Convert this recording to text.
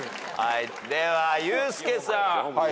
ではユースケさん。